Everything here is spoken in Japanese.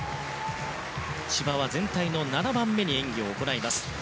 千葉は全体の７番目に演技を行います。